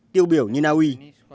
tiêu biểu như naui